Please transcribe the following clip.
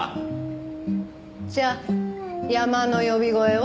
じゃあ『山の呼び声』は？